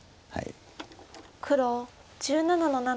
黒１７の七。